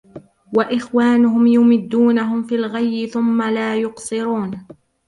وإخوانهم يمدونهم في الغي ثم لا يقصرون